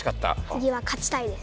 つぎは勝ちたいです。